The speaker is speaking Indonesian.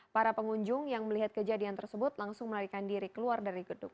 para pengunjung yang melihat kejadian tersebut langsung melarikan diri keluar dari gedung